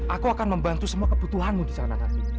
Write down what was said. aku akan membantu semua kebutuhanmu di sana nanti